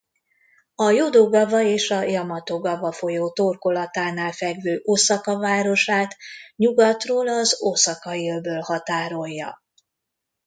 A Jodo-gava és a Jamato-gava folyó torkolatánál fekvő Oszaka városát nyugatról az Oszakai-öböl határolja.